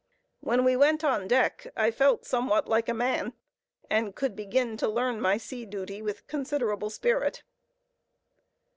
When we went on deck I felt somewhat like a man, and could begin to learn my sea duty with considerable spirit.